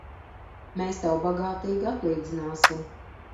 Mēs tev bagātīgi atlīdzināsim!